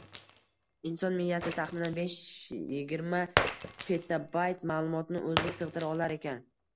inson miyasi taxminan besh-yigirma petabayt ma’lumotni o‘zida sig‘dira olar ekan.